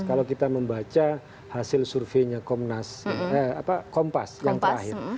kalau kita membaca hasil surveinya kompas yang terakhir